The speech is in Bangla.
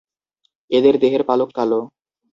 এদের দেহের পালক কালো।